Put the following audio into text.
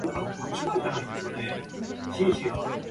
The two died only a few days apart.